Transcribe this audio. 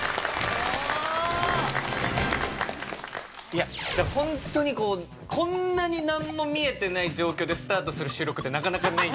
いやホントにこんなになんも見えてない状況でスタートする収録ってなかなかない。